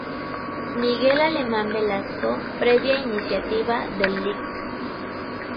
Miguel Alemán Velasco, previa iniciativa del Lic.